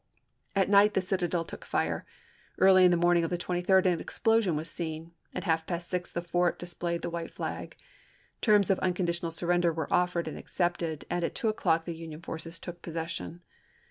At night the citadel took fire ; early in the morning of the 23d an explosion was seen, and at half past six the fort displayed the white flag. Terms of uncon ditional surrender were offered and accepted, and at two o'clock the Union forces took possession.